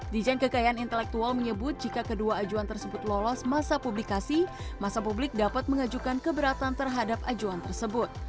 dijen kekayaan intelektual menyebut jika kedua ajuan tersebut lolos masa publikasi masa publik dapat mengajukan keberatan terhadap ajuan tersebut